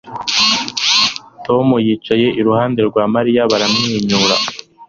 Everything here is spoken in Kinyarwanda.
Tom yicaye iruhande rwa Mariya baramwenyura